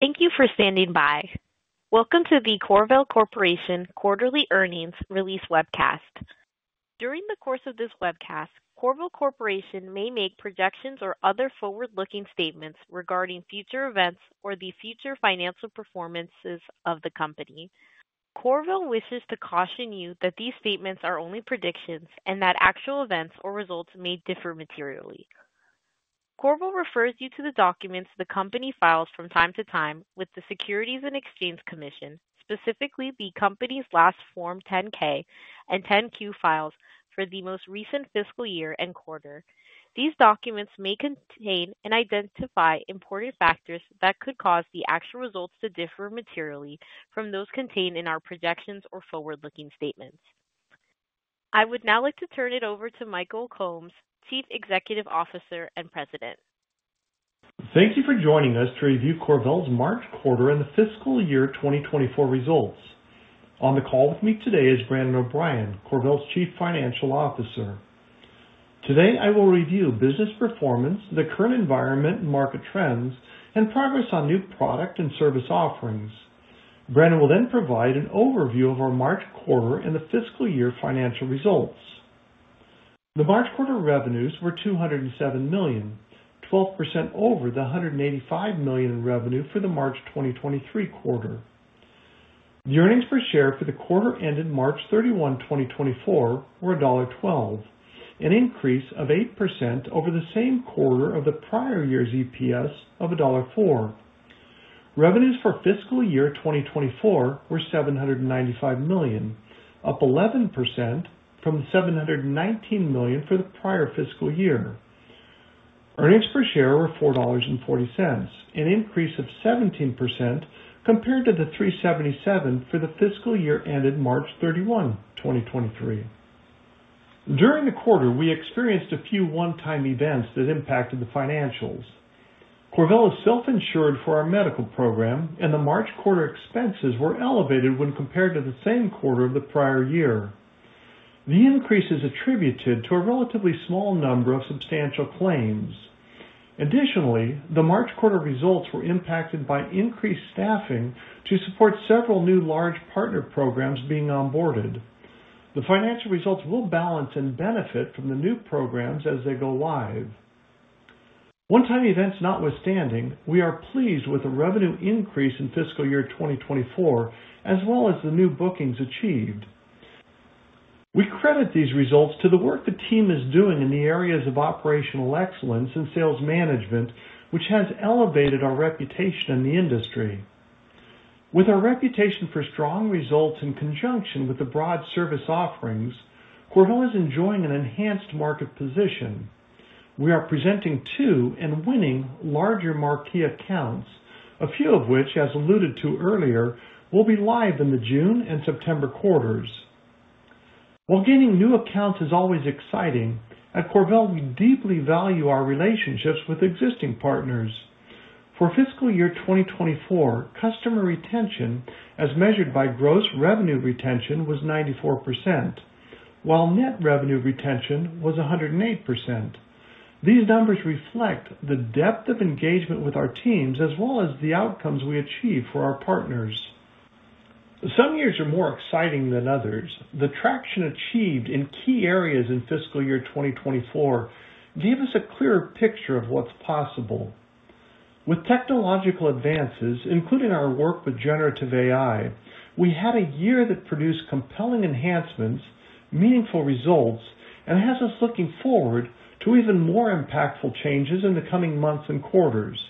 Thank you for standing by. Welcome to the CorVel Corporation Quarterly Earnings Release Webcast. During the course of this webcast, CorVel Corporation may make projections or other forward-looking statements regarding future events or the future financial performances of the company. CorVel wishes to caution you that these statements are only predictions and that actual events or results may differ materially. CorVel refers you to the documents the company files from time to time with the Securities and Exchange Commission, specifically the company's last Form 10-K and 10-Q filings for the most recent fiscal year and quarter. These documents may contain and identify important factors that could cause the actual results to differ materially from those contained in our projections or forward-looking statements. I would now like to turn it over to Michael Combs, Chief Executive Officer and President. Thank you for joining us to review CorVel's March quarter and the fiscal year 2024 results. On the call with me today is Brandon O'Brien, CorVel's Chief Financial Officer. Today, I will review business performance, the current environment, market trends, and progress on new product and service offerings. Brandon will then provide an overview of our March quarter and the fiscal year financial results. The March quarter revenues were $207 million, 12% over the $185 million in revenue for the March 2023 quarter. The earnings per share for the quarter ended March 31, 2024, were $1.12, an increase of 8% over the same quarter of the prior year's EPS of $1.04. Revenues for fiscal year 2024 were $795 million, up 11% from $719 million for the prior fiscal year. Earnings per share were $4.40, an increase of 17% compared to the $3.77 for the fiscal year ended March 31, 2023. During the quarter, we experienced a few one-time events that impacted the financials. CorVel is self-insured for our medical program, and the March quarter expenses were elevated when compared to the same quarter of the prior year. The increase is attributed to a relatively small number of substantial claims. Additionally, the March quarter results were impacted by increased staffing to support several new large partner programs being onboarded. The financial results will balance and benefit from the new programs as they go live. One-time events notwithstanding, we are pleased with the revenue increase in fiscal year 2024, as well as the new bookings achieved. We credit these results to the work the team is doing in the areas of operational excellence and sales management, which has elevated our reputation in the industry. With our reputation for strong results in conjunction with the broad service offerings, CorVel is enjoying an enhanced market position. We are presenting to and winning larger marquee accounts, a few of which, as alluded to earlier, will be live in the June and September quarters. While gaining new accounts is always exciting, at CorVel, we deeply value our relationships with existing partners. For fiscal year 2024, customer retention, as measured by gross revenue retention, was 94%, while net revenue retention was 108%. These numbers reflect the depth of engagement with our teams as well as the outcomes we achieve for our partners. Some years are more exciting than others. The traction achieved in key areas in fiscal year 2024 give us a clearer picture of what's possible. With technological advances, including our work with generative AI, we had a year that produced compelling enhancements, meaningful results, and has us looking forward to even more impactful changes in the coming months and quarters.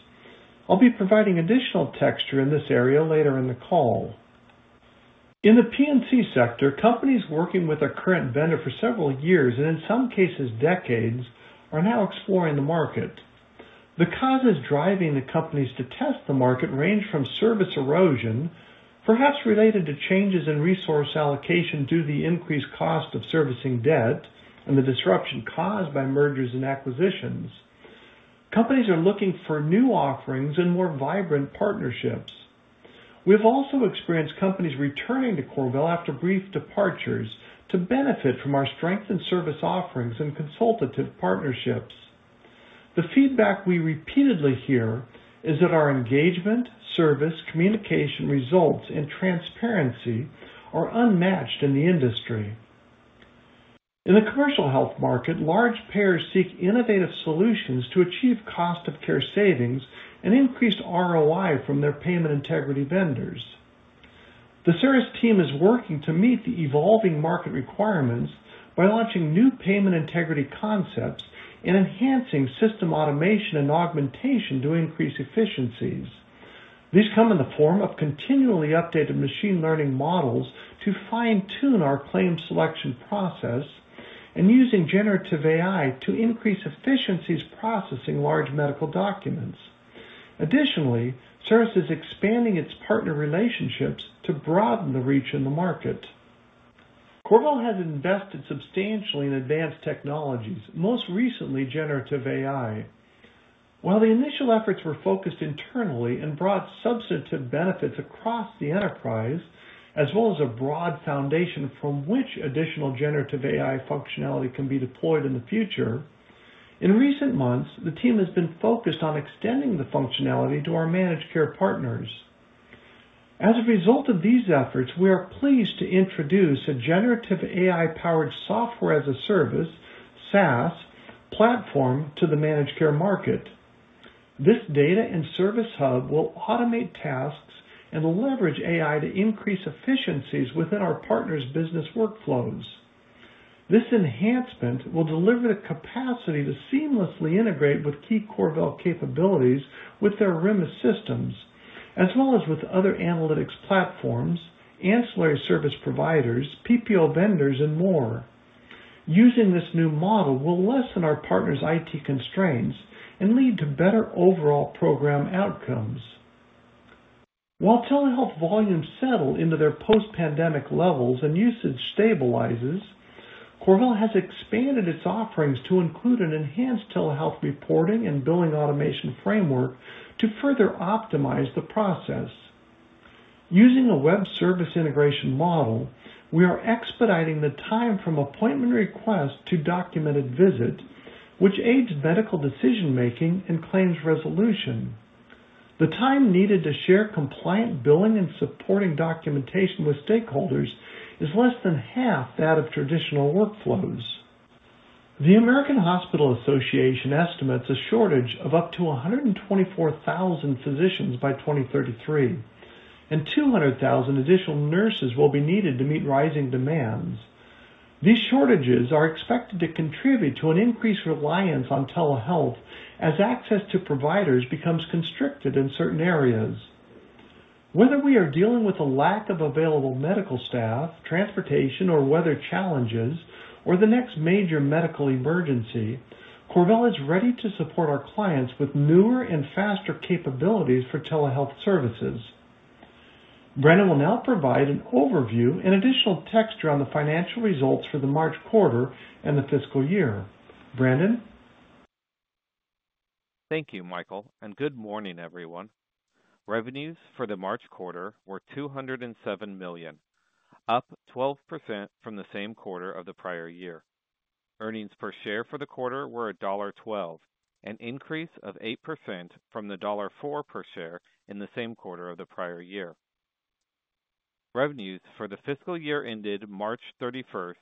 I'll be providing additional texture in this area later in the call. In the P&C sector, companies working with our current vendor for several years, and in some cases, decades, are now exploring the market. The causes driving the companies to test the market range from service erosion, perhaps related to changes in resource allocation, due to the increased cost of servicing debt and the disruption caused by mergers and acquisitions. Companies are looking for new offerings and more vibrant partnerships. We've also experienced companies returning to CorVel after brief departures to benefit from our strength and service offerings and consultative partnerships. The feedback we repeatedly hear is that our engagement, service, communication, results, and transparency are unmatched in the industry. In the commercial health market, large payers seek innovative solutions to achieve cost of care savings and increased ROI from their payment integrity vendors. The service team is working to meet the evolving market requirements by launching new payment integrity concepts and enhancing system automation and augmentation to increase efficiencies. These come in the form of continually updated machine learning models to fine-tune our claim selection process and using generative AI to increase efficiencies, processing large medical documents. Additionally, service is expanding its partner relationships to broaden the reach in the market. CorVel has invested substantially in advanced technologies, most recently, generative AI. While the initial efforts were focused internally and brought substantive benefits across the enterprise, as well as a broad foundation from which additional generative AI functionality can be deployed in the future. In recent months, the team has been focused on extending the functionality to our managed care partners. As a result of these efforts, we are pleased to introduce a generative AI-powered software as a service, SaaS, platform to the managed care market. This data and service hub will automate tasks and leverage AI to increase efficiencies within our partners' business workflows. This enhancement will deliver the capacity to seamlessly integrate with key CorVel capabilities with their RMIS systems, as well as with other analytics platforms, ancillary service providers, PPO vendors, and more. Using this new model will lessen our partners' IT constraints and lead to better overall program outcomes. While telehealth volumes settle into their post-pandemic levels and usage stabilizes, CorVel has expanded its offerings to include an enhanced telehealth reporting and billing automation framework to further optimize the process. Using a web service integration model, we are expediting the time from appointment request to documented visit, which aids medical decision-making and claims resolution. The time needed to share compliant billing and supporting documentation with stakeholders is less than half that of traditional workflows. The American Hospital Association estimates a shortage of up to 124,000 physicians by 2033, and 200,000 additional nurses will be needed to meet rising demands. These shortages are expected to contribute to an increased reliance on telehealth as access to providers becomes constricted in certain areas. Whether we are dealing with a lack of available medical staff, transportation, or weather challenges, or the next major medical emergency, CorVel is ready to support our clients with newer and faster capabilities for telehealth services. Brandon will now provide an overview and additional texture on the financial results for the March quarter and the fiscal year. Brandon? Thank you, Michael, and good morning, everyone. Revenues for the March quarter were $207 million, up 12% from the same quarter of the prior year. Earnings per share for the quarter were $1.12, an increase of 8% from the $1.04 per share in the same quarter of the prior year. Revenues for the fiscal year ended March 31,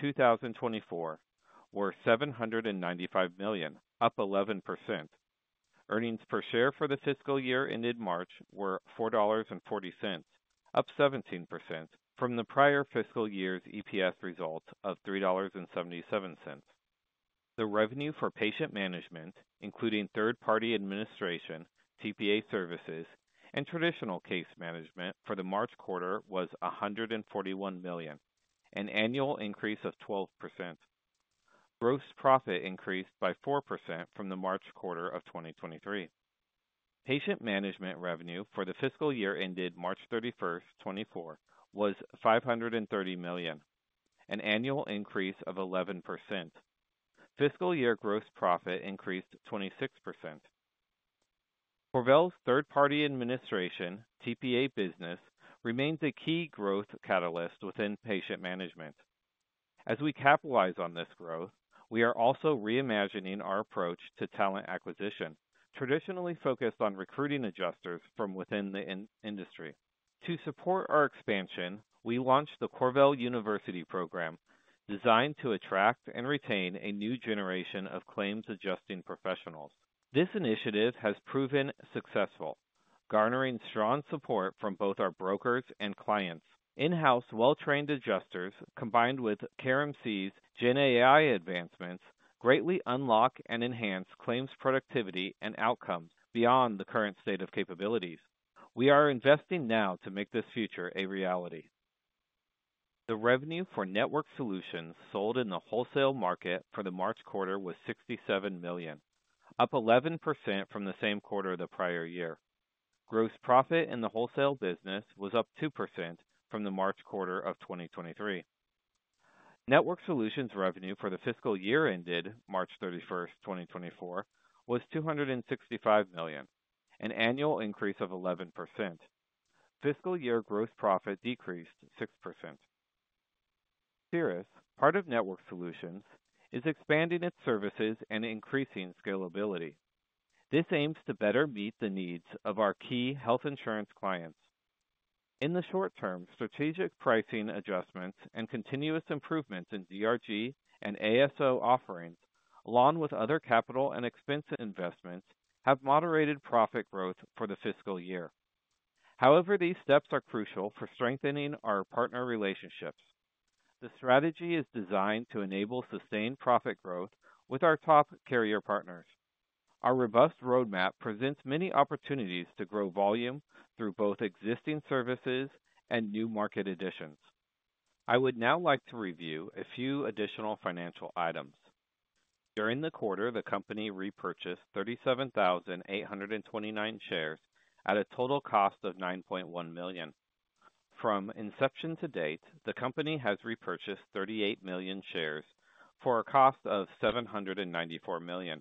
2024, were $795 million, up 11%. Earnings per share for the fiscal year ended March were $4.40, up 17% from the prior fiscal year's EPS results of $3.77. The revenue for patient management, including third-party administration, TPA services, and traditional case management for the March quarter, was $141 million, an annual increase of 12%. Gross profit increased by 4% from the March quarter of 2023. Patient management revenue for the fiscal year ended March 31, 2024, was $530 million, an annual increase of 11%. Fiscal year gross profit increased 26%. CorVel's third-party administration, TPA business, remains a key growth catalyst within patient management. As we capitalize on this growth, we are also reimagining our approach to talent acquisition, traditionally focused on recruiting adjusters from within the industry. To support our expansion, we launched the CorVel University program, designed to attract and retain a new generation of claims adjusting professionals. This initiative has proven successful, garnering strong support from both our brokers and clients. In-house, well-trained adjusters, combined with CareMC's generative AI advancements, greatly unlock and enhance claims, productivity, and outcomes beyond the current state of capabilities. We are investing now to make this future a reality. The revenue for network solutions sold in the wholesale market for the March quarter was $67 million, up 11% from the same quarter the prior year. Gross profit in the wholesale business was up 2% from the March quarter of 2023. Network solutions revenue for the fiscal year ended March 31, 2024, was $265 million, an annual increase of 11%. Fiscal year gross profit decreased 6%. CERIS, part of Network Solutions, is expanding its services and increasing scalability. This aims to better meet the needs of our key health insurance clients. In the short term, strategic pricing adjustments and continuous improvements in DRG and ASO offerings, along with other capital and expense investments, have moderated profit growth for the fiscal year. However, these steps are crucial for strengthening our partner relationships. The strategy is designed to enable sustained profit growth with our top carrier partners. Our robust roadmap presents many opportunities to grow volume through both existing services and new market additions. I would now like to review a few additional financial items. During the quarter, the company repurchased 37,829 shares at a total cost of $9.1 million. From inception to date, the company has repurchased 38 million shares for a cost of $794 million.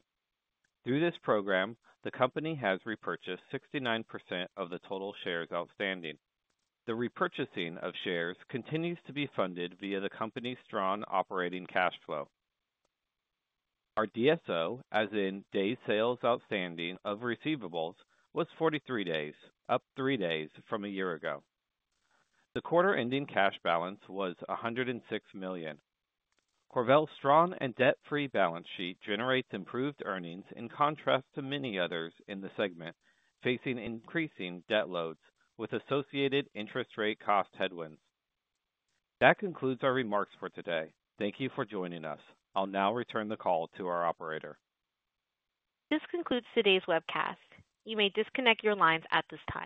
Through this program, the company has repurchased 69% of the total shares outstanding. The repurchasing of shares continues to be funded via the company's strong operating cash flow. Our DSO, as in days sales outstanding of receivables, was 43 days, up three days from a year ago. The quarter-ending cash balance was $106 million. CorVel's strong and debt-free balance sheet generates improved earnings, in contrast to many others in the segment, facing increasing debt loads with associated interest rate cost headwinds. That concludes our remarks for today. Thank you for joining us. I'll now return the call to our operator. This concludes today's webcast. You may disconnect your lines at this time.